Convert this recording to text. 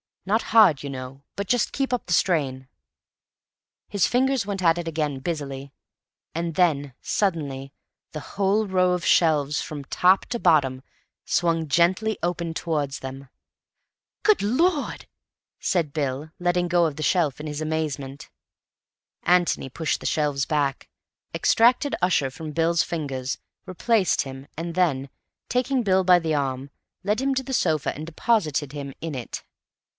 Not hard, you know, but just keeping up the strain." His fingers went at it again busily. And then suddenly the whole row of shelves, from top to bottom, swung gently open towards them. "Good Lord!" said Bill, letting go of the shelf in his amazement. Antony pushed the shelves back, extracted Ussher from Bill's fingers, replaced him, and then, taking Bill by the arm, led him to the sofa and deposited him in it.